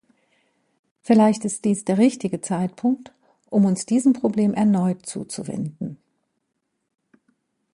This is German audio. Vielleicht ist dies der richtige Zeitpunkt, um uns diesem Problem erneut zuzuwenden.